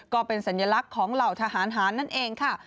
ก็เป็นสัญลักษณ์ของเหล่าทหารหารนั่นเองค่ะ